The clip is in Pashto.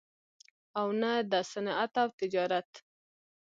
او نه دَصنعت او تجارت